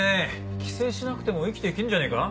寄生しなくても生きていけんじゃねえか？